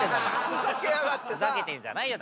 ふざけてんじゃないよ。